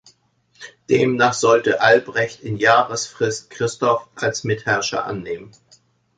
Demnach sollte Albrecht in Jahresfrist Christoph als Mitherrscher annehmen.